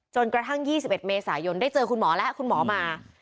จนกระทั่ง๒๑เมษายนได้เจอคุณหมอแล้วคุณหมอมา